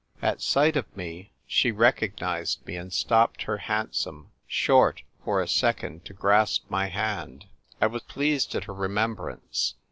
At sight of me she recognised me, and stopped her hansom short for a second to grasp my hand. I was pleased at her remem brance.